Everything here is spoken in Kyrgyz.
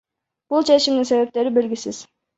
Бул чечимдин себептери белгисиз.